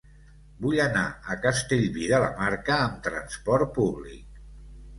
Vull anar a Castellví de la Marca amb trasport públic.